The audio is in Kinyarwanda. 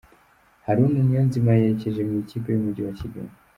Haruna Niyonzima yerekeje mw’ikipe yumugi wa kigali